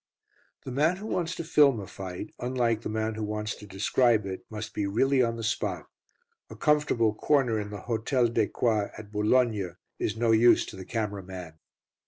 The man who wants to film a fight, unlike the man who wants to describe it, must be really on the spot. A comfortable corner in the Hôtel des Quoi, at Boulogne, is no use to the camera man.